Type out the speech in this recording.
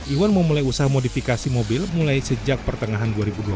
iwan memulai usaha modifikasi mobil mulai sejak pertengahan dua ribu dua puluh